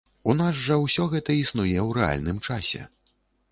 У нас жа ўсё гэта існуе ў рэальным часе.